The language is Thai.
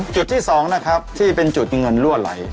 จุดที่๒นะครับที่เป็นจุดเงินรั่วไหล